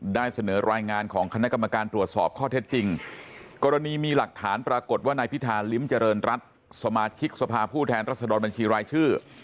ได้เสนอรายงานของคณะกรรมการตรวจสอบข้อเท็จจริงกรณีมีหลักฐานปรากฏว่านายพิธาลิ้มเจริญรัฐสมาชิกสภาผู้แทนรัศดรบัญชีรายชื่อ